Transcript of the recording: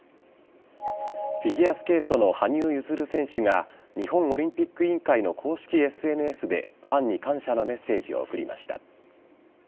フィギュアスケートの羽生結弦選手が、日本オリンピック委員会の公式ＳＮＳで、ファンに感謝のメッセージを送りました。